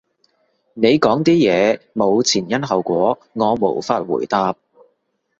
你講啲嘢冇前因後果，我無法回答